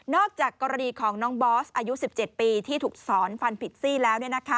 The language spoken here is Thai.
อกจากกรณีของน้องบอสอายุ๑๗ปีที่ถูกสอนฟันผิดซี่แล้ว